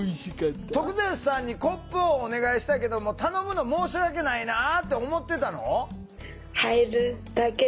徳善さんにコップをお願いしたけども頼むの申し訳ないなあって思ってたの？